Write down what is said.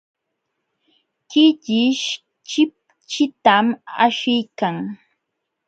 Killish chipchitam ashiykan.